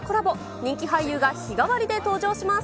人気俳優が日替わりで登場します。